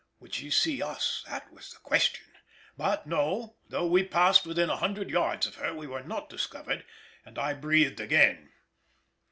Would she see us? that was the question; but no, though we passed within a hundred yards of her we were not discovered, and I breathed again.